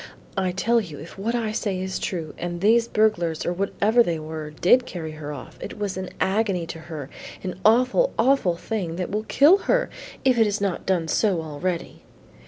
"I tell you if what I say is true, and these burglars or whatever they were, did carry her off, it was an agony to her, an awful, awful thing that will kill her if it has not done so already.